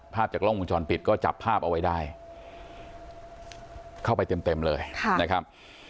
จากกล้องวงจรปิดก็จับภาพเอาไว้ได้เข้าไปเต็มเต็มเลยนะครับ